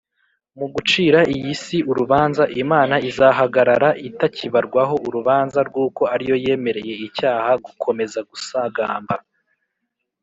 Mu gucira iyi si urubanza, Imana izahagarara itakibarwaho urubanza rw’uko ari yo yemereye icyaha gukomeza gusagamba